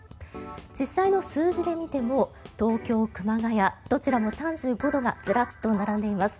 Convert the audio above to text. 実際の数字を見ても東京、熊谷どちらも３５度がずらっと並んでいます。